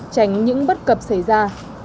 tránh những bất cập xảy ra